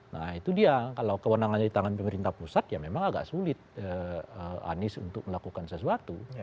nah itu dia kalau kewenangannya di tangan pemerintah pusat ya memang agak sulit anies untuk melakukan sesuatu